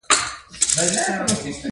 د انټرنیټ لوړه بیه پرمختګ ورو کوي.